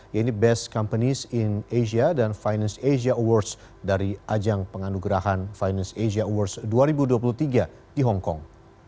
yaitu best companies in asia dan finance asia awards dari ajang penganugerahan finance asia awards dua ribu dua puluh tiga di hongkong